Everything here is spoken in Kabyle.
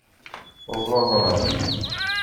Ẓẓaẓneɣ.